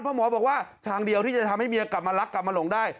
เพราะหมอบอกว่าทางเดียวที่จะทำให้เมียกลับมารักกลับมาหลงได้